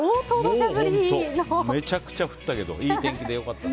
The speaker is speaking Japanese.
めちゃくちゃ降ったけどいい天気で良かった。